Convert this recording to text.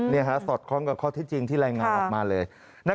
สอดคล้องกับข้อที่จริงที่รายงานออกมาเลย